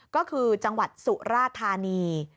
ก็คือจังหวัดสุราธานี